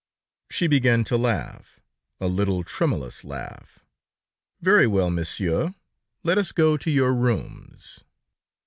She began to laugh, a little tremulous laugh. "Very well, Monsieur ... let us go to your rooms."